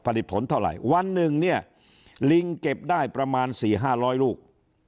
ผลิตผลเท่าไหร่วันหนึ่งเนี่ยลิงเก็บได้ประมาณ๔๕๐๐ลูก